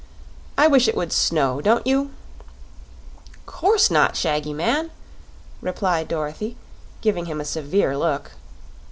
"I wish it would snow, don't you?" "'Course not, Shaggy Man," replied Dorothy, giving him a severe look.